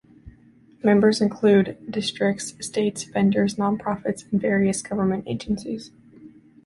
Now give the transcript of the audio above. Members include districts, states, vendors, non-profits, and various government agencies.